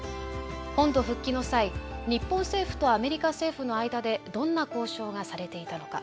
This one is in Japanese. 本土復帰の際日本政府とアメリカ政府の間でどんな交渉がされていたのか。